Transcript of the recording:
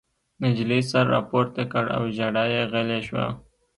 نجلۍ سر راپورته کړ او ژړا یې غلې شوه